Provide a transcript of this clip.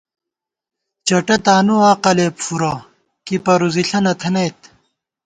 چٹہ تانُو عقَلے فُورہ ، کی پروزِݪہ نہ تھنَئیت